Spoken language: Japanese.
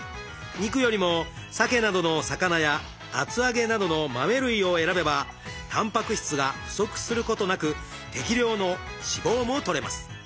肉よりもさけなどの魚や厚揚げなどの豆類を選べばたんぱく質が不足することなく適量の脂肪もとれます。